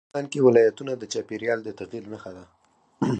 افغانستان کې ولایتونه د چاپېریال د تغیر نښه ده.